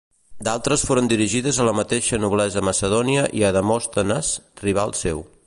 D'altres foren dirigides a la mateixa noblesa macedònia i a Demòstenes, rival seu.